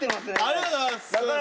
ありがとうございます！